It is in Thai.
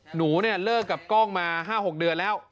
หนูเนี่ยเลิกกับกล้องมา๕๖เดือนแล้ว